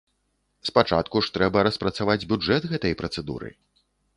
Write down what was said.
Спачатку ж трэба распрацаваць бюджэт гэтай працэдуры.